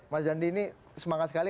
mas dandi ini semangat sekali